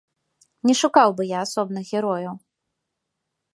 Не шукаў бы я асобных герояў.